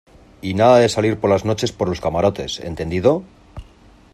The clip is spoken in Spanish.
y nada de salir por las noches por los camarotes, ¿ entendido?